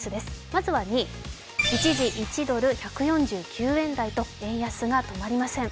まずは２位、一時、１ドル＝１４９円台と円安が止まりません。